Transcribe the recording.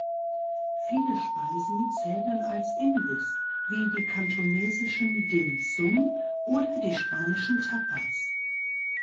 Viele Speisen zählen als Imbiss wie die kantonesischen "Dim Sum" oder die spanischen Tapas.